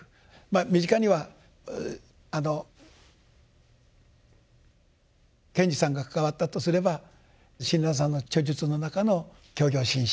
身近にはあの賢治さんが関わったとすれば親鸞さんの著述の中の「教行信証」。